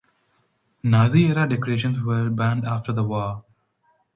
Nazi era decorations were banned after the war.